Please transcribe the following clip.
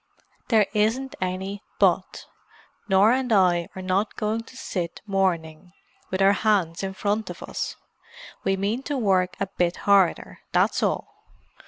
"There isn't any 'but.' Norah and I are not going to sit mourning, with our hands in front of us. We mean to work a bit harder, that's all.